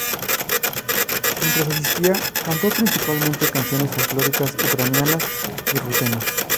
Mientras asistía, cantó principalmente canciones folclóricas ucranianas y rutenos.